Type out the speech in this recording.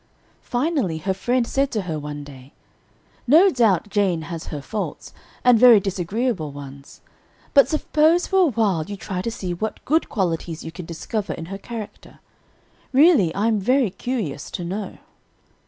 "Finally, her friend said to her one day, 'No doubt Jane has her faults, and very disagreeable ones, but suppose for awhile you try to see what good qualities you can discover in her character. Really, I am very curious to know.'